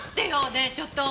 ねえちょっと！